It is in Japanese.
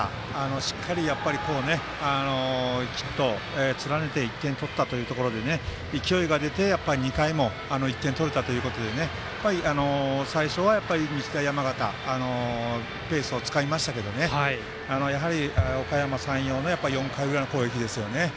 しっかりヒットを連ねて１点取ったということで勢いが出て、２回にも１点を取れたということで最初は日大山形がペースをつかみましたけどやっぱり、おかやま山陽の４回の裏の攻撃ですよね。